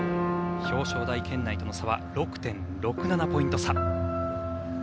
表彰台圏内との差は６．６７ポイント差。